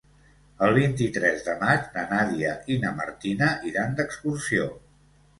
El vint-i-tres de maig na Nàdia i na Martina iran d'excursió.